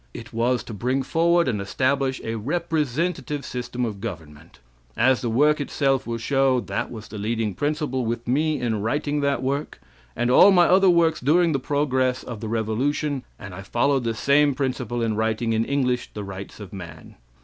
It was to bring forward and establish a representative system of government. As the work itself will show, that was the leading principle with me in writing that work, and all my other works during the progress of the revolution, and I followed the same principle in writing in English the 'Rights of Man.'